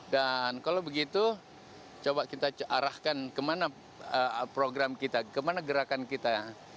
dan kalau begitu coba kita arahkan kemana program kita kemana gerakan kita